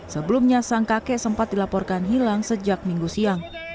sebelumnya sang kakek sempat dilaporkan hilang sejak minggu siang